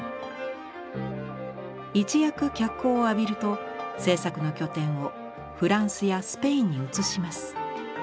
一躍脚光を浴びると制作の拠点をフランスやスペインに移します。